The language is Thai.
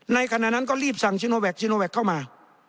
ขณะนั้นก็รีบสั่งชิโนแวคชิโนแวคเข้ามา